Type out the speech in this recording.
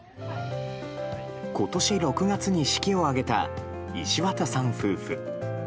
今年６月に式を挙げた石渡さん夫婦。